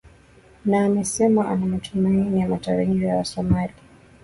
na amesema ana matumaini na matarajio ya wasomali